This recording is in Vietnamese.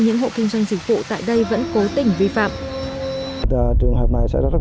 những hộ vi phạm luật về tài nguyên nước